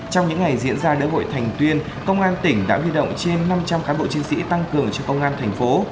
trong những ngày diễn ra lễ hội thành tuyên công an tỉnh đã huy động trên năm trăm linh cán bộ chiến sĩ tăng cường cho công an thành phố